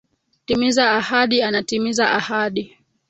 Timiza ahadi anatimiza ahadi.